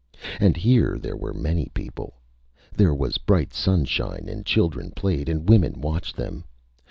And here there were many people. There was bright sunshine, and children played and women watched them.